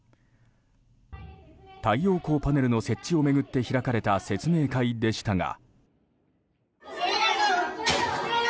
太陽光パネルの設置を巡って開かれた説明会でしたが。